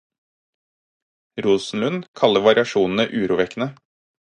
Rosenlund kaller variasjonene urovekkende.